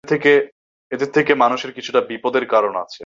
এদের থেকে মানুষের কিছুটা বিপদের কারণআছে।